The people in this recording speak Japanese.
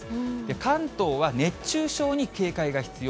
関東は熱中症に警戒が必要。